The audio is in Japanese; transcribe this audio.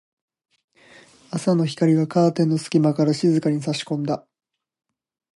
朝の光がカーテンの隙間から静かに差し込んだ。